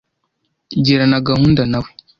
Girana gahunda na we.